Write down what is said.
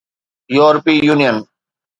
يورپي يونين